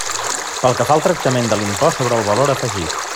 Pel que fa al tractament de l'impost sobre el valor afegit.